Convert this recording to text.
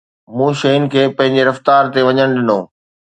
مون شين کي پنهنجي رفتار تي وڃڻ ڏنو